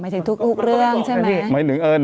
ถึงทุกเรื่องใช่ไหม